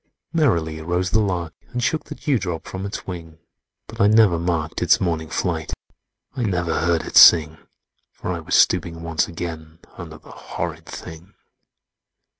"Merrily rose the lark, and shook The dewdrop from its wing; But I never marked its morning flight, I never heard it sing: For I was stooping once again Under the horrid thing.